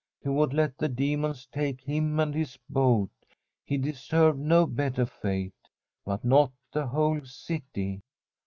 He would let the demons take him and his boat ; he deserved no better fate. But not the whole city!